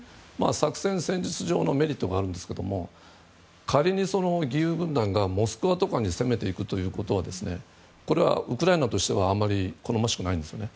作戦、戦術上のメリットがあるんですけど仮に、義勇軍団がモスクワとかに攻めていくということはこれはウクライナとしてはあまり好ましくないんですよね。